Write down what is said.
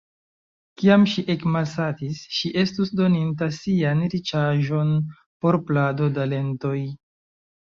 Kiam ŝi ekmalsatis, ŝi estus doninta sian riĉaĵon por plado da lentoj.